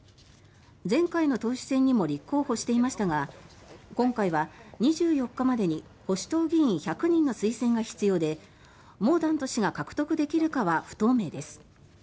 前回の党首選にも立候補していましたが今回は２４日までに保守党議員１００人の推薦が必要でモーダント氏が獲得できるかは不透明です。